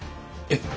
えっ？